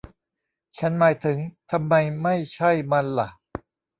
ฉันหมายถึง ทำไมไม่ใช่มันหละ